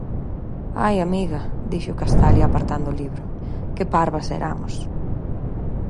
“Ai, amiga,” dixo Castalia apartando o libro, “que parvas eramos!